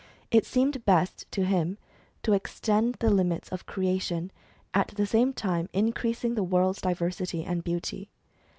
It seemed best to him to extend the limits of creation, at the same time increasing the world's diversity and beauty.